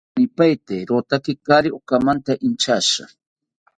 Inkanipaeteki rotaki kaari okamanta inchashi